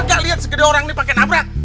kau gak liat segede orang ini pake nabrak